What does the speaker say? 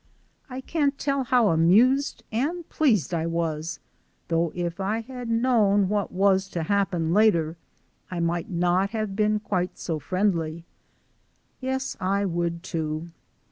I can't tell how amused and pleased I was though if I had known what was to happen later I might not have been quite so friendly yes, I would too!